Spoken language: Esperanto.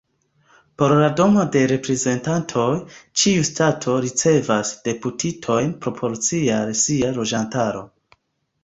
Por la Domo de Reprezentantoj, ĉiu ŝtato ricevas deputitojn proporcie al sia loĝantaro.